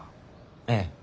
ええ。